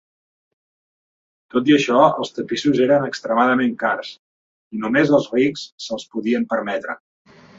Tot i això, els tapissos eren extremadament cars i només els rics se'ls podien permetre.